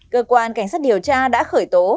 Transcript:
cơ quan cảnh sát điều tra đã khởi tố